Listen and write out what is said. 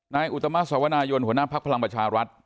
อุตมะสวนายนหัวหน้าภักดิ์พลังประชารัฐ